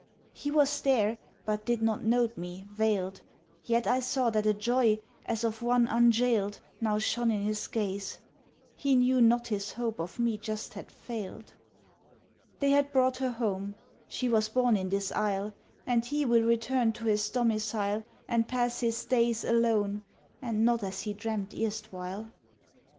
"He was there, but did not note me, veiled, Yet I saw that a joy, as of one unjailed, Now shone in his gaze; He knew not his hope of me just had failed! "They had brought her home: she was born in this isle; And he will return to his domicile, And pass his days Alone, and not as he dreamt erstwhile!"